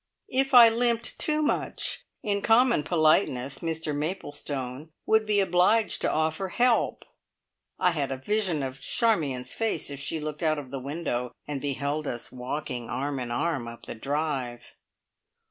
If I limped too much, in common politeness Mr Maplestone would be obliged to offer help. I had a vision of Charmion's face if she looked out of the window and beheld us walking arm in arm up the drive!